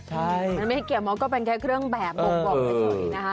ใช่มันไม่ได้เกี่ยวมดก็เป็นแค่เครื่องแบบบ่งบอกเฉยนะคะ